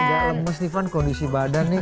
saya gak lemes nih van kondisi badan nih